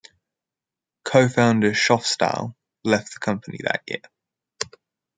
Co-founder Schoffstall left the company that year.